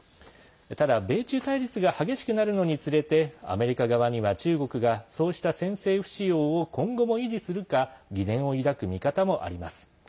ただ、米中対立が激しくなるのにつれてアメリカ側には中国がそうした先制不使用を今後も維持するか疑念を抱く見方もあります。